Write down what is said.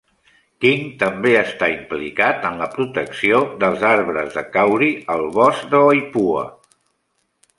King també està implicat en la protecció dels arbres de kauri al bosc de Waipoua.